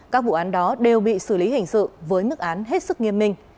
các vụ án đó đều bị xử lý hình sự với mức án hết sức nghiêm minh